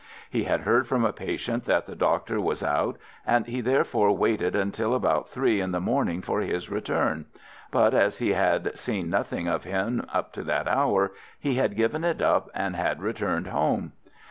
He had heard from a patient that the doctor was out, and he therefore waited until about three in the morning for his return, but as he had seen nothing of him up to that hour, he had given it up and had returned home.